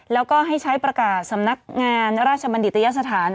แล้วก็ให้ใช้ประกาศสำนักงานราชบัณฑิตยสถาน